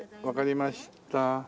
わかりました。